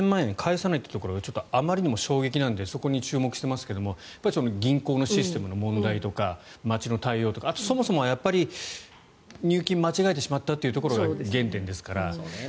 ４０００万円返さないというところがあまりに衝撃的なのでそこに注目していますが銀行のシステムとか町の対応とかそもそも入金を間違えてしまったというところが原点ですから。